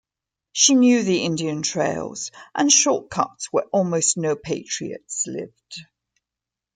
She knew the Indian trails and shortcuts where almost no patriots lived.